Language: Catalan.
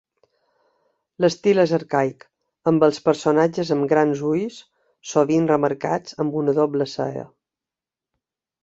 L'estil és arcaic, amb els personatges amb grans ulls, sovint remarcats amb una doble cella.